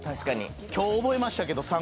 今日覚えましたけど。